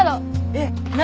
えっ何？